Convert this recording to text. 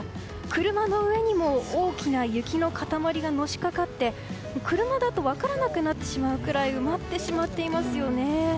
車の上にも大きな雪の塊がのしかかって車だと分からなくなってしまうくらい埋まってしまっていますよね。